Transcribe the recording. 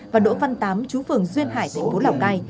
và đỗ văn tám chú phường xuyên hải tp lào cai